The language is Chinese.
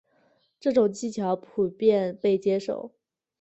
这种技巧被普遍接受。